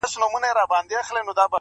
نړیوال راپورونه پرې زياتيږي-